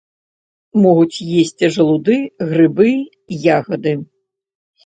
Могуць есці жалуды, грыбы, ягады.